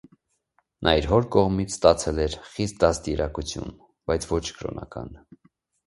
Նա իր հոր կողմից ստացել էր խիստ դաստիարակություն, բայց ոչ կրոնական։